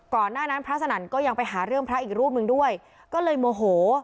หน้านั้นพระสนั่นก็ยังไปหาเรื่องพระอีกรูปหนึ่งด้วยก็เลยโมโห